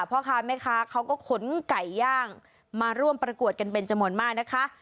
พ่อค้าแม่ค้าเขาก็ขนไก่ย่างมาร่วมประกวดกันเป็นจำนวนมากนะคะ